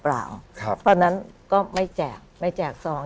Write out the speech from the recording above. เพราะฉะนั้นก็ไม่แจกไม่แจกซอง